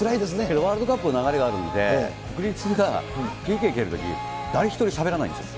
ワールドカップの流れがあるので、国立がＰＫ蹴るとき誰一人しゃべらないんですよ。